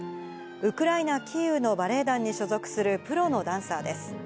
ウクライナ・キーウのバレエ団に所属するプロのダンサーです。